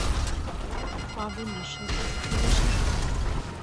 روى فاضل للشرطة كلّ شيء.